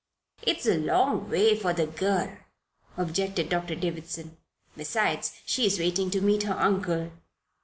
"It's a long way for the girl," objected Doctor Davison. "Besides, she is waiting to meet her uncle."